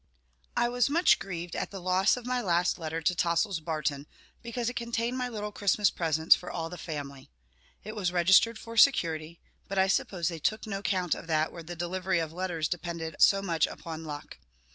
I was much grieved at the loss of my last letter to Tossil's Barton, because it contained my little Christmas presents for all the family. It was registered for security, but I suppose they "took no count" of that where the delivery of letters depended so much upon luck.